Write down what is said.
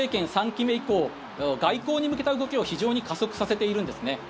３期目以降外交に向けた動きを非常に加速させているんですね。